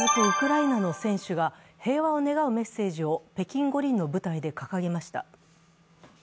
ウクライナの選手が平和を願うメッセージを北京五輪の舞台で掲げました。